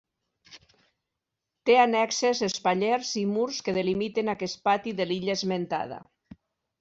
Té annexes els pallers i murs que delimiten aquest pati de l'illa esmentada.